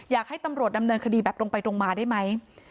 อยากให้ตำรวจดำเนินคดีแบบตรงไปตรงมาได้ไหม